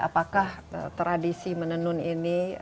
apakah tradisi menenun ini